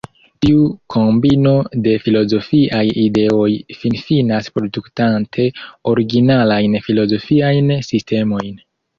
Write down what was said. Tiu kombino de filozofiaj ideoj finfinas produktante originalajn filozofiajn sistemojn.